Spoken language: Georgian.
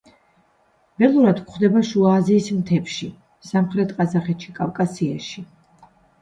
ველურად გვხვდება შუა აზიის მთებში, სამხრეთ ყაზახეთში, კავკასიაში.